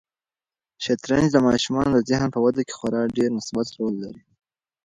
شطرنج د ماشومانو د ذهن په وده کې خورا ډېر مثبت رول لري.